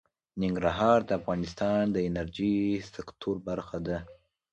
ننګرهار د افغانستان د انرژۍ سکتور برخه ده.